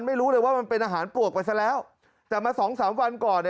ไม่รู้เลยว่ามันเป็นอาหารปลวกไปซะแล้วแต่มาสองสามวันก่อน